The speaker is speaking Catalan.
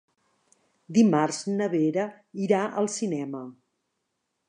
Dimarts na Vera irà al cinema.